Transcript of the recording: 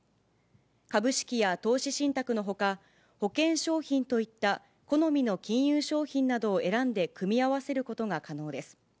株式や投資信託のほか、保険商品といった好みの金融商品などを選んで組み合わせることが可能です。